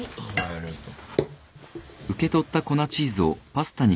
ありがとう。